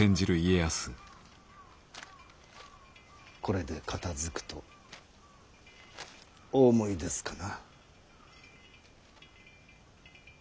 これで片づくとお思いですかな？